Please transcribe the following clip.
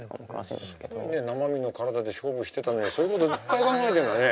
生身の体で勝負してたのにそういうこといっぱい考えてんだね。